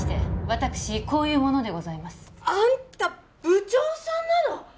私こういう者でございますあんた部長さんなの！？